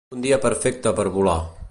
Un dia perfecte per volar.